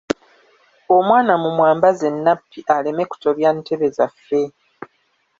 Omwana mu mwambaze nnappi aleme kutobya ntebbe zaffe.